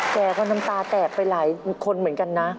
แกก็น้ำตาแตกไปหลายคนเหมือนกันนะ